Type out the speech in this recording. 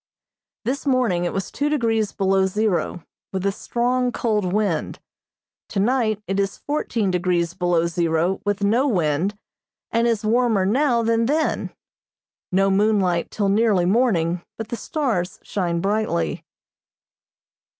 This morning it was two degrees below zero, with a strong, cold wind; tonight it is fourteen degrees below zero with no wind, and is warmer now than then. No moonlight till nearly morning, but the stars shine brightly.